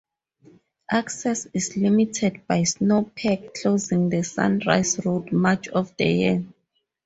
Access is limited by snowpack closing the Sunrise Road much of the year.